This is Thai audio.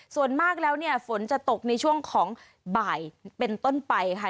ส่วนมากแล้วเนี่ยฝนจะตกในช่วงของบ่ายเป็นต้นไปค่ะ